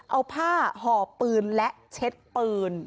เอาผ้าห่อปืนและเช็ดปืน